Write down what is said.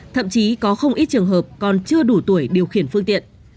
thậm chí có không ít trường hợp còn chưa đủ tuổi điều khiển phương tiện